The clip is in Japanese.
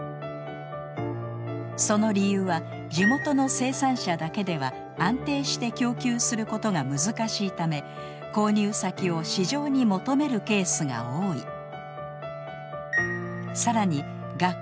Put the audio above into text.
その理由は地元の生産者だけでは安定して供給することが難しいため購入先を市場に求めるケースが多い。